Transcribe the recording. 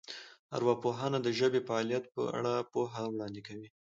ارواپوهنه د ژبې د فعالیت په اړه پوهه وړاندې کوي